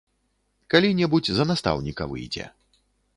Калі-небудзь за настаўніка выйдзе.